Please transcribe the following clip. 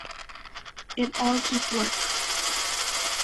It all just works.